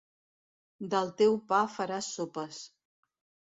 Del teu pa faràs sopes.